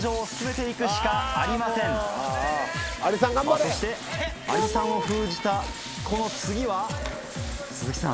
さぁそしてアリさんを封じたこの次は鈴木さん。